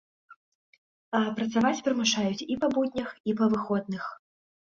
А працаваць прымушаюць і па буднях, і па выходных!